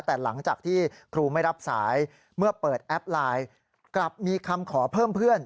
แต่หลังจากที่ครูไม่รับสายเมื่อเปิดแอปไลน์กลับมีคำขอเพิ่มเพื่อน